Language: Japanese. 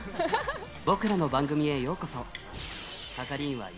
僕らの番組へようこそ。